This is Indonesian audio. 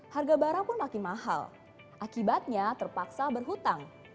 harga barang pun makin mahal akibatnya terpaksa berhutang